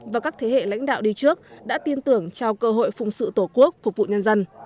và các thế hệ lãnh đạo đi trước đã tin tưởng trao cơ hội phụng sự tổ quốc phục vụ nhân dân